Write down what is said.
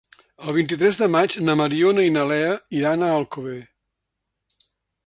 El vint-i-tres de maig na Mariona i na Lea iran a Alcover.